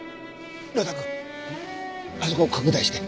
呂太くんあそこ拡大して！